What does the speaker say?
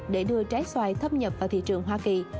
để đưa trái xoài thâm nhập vào thị trường hoa kỳ